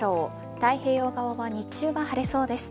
太平洋側は日中は晴れそうです。